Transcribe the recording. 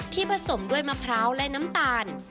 ผสมด้วยมะพร้าวและน้ำตาล